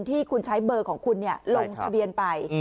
ที่คุณใช้เบอร์ของคุณลงทะเบียนไป